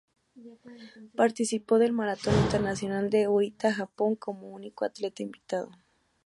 Participó del Maratón Internacional de Oita, Japón, como único atleta invitado.